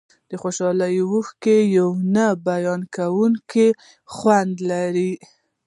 د خوشحالۍ اوښکې یو نه بیانېدونکی خوند لري.